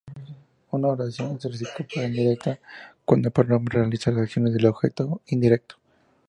Una oración es recíproca indirecta cuando el pronombre realiza la acción del objeto indirecto.